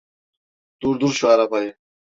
Durdur şu arabayı!